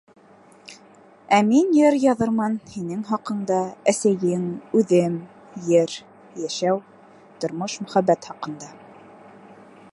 Ә мин... йыр яҙырмын... һинең хаҡында... әсәйең... үҙем, ер... йәшәү... тормош, мөхәббәт хаҡында!